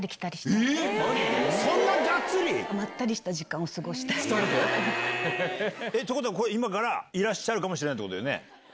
まったりした時間を過ごした２人で？ということは、今からいらっしゃるかもしれないということだよね？